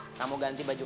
iya gue terus